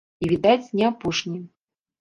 І, відаць, не апошні.